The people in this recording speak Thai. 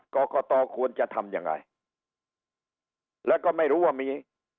กรกตควรจะทำยังไงแล้วก็ไม่รู้ว่ามี